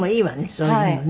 そういうのもね。